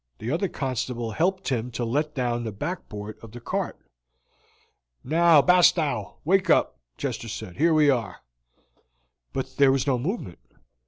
The other constable helped him to let down the backboard of the cart. "Now, Bastow, wake up," Chester said. "Here we are." But there was no movement!